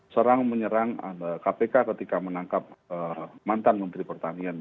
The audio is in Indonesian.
serang menyerang kpk ketika menangkap mantan menteri pertanian